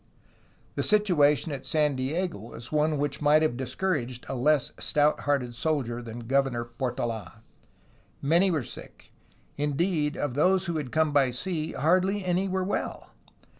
The situation at San Diego was one which might have dis couraged a less stout hearted soldier than Governor Portola. Many were sick; indeed, of those who had come by sea hardly any were well.